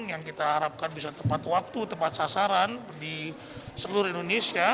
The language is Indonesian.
yang kita harapkan bisa tepat waktu tepat sasaran di seluruh indonesia